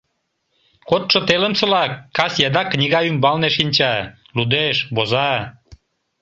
Кодшо телымсылак кас еда книга ӱмбалне шинча, лудеш, воза.